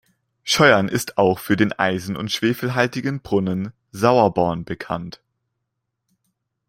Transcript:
Scheuern ist auch für den eisen- und schwefelhaltigen Brunnen „Sauerborn“ bekannt.